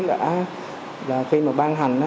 là khi mà ban hành